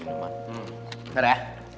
nggak ada ya